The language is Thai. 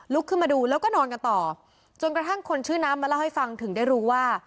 ขึ้นมาดูแล้วก็นอนกันต่อจนกระทั่งคนชื่อน้ำมาเล่าให้ฟังถึงได้รู้ว่า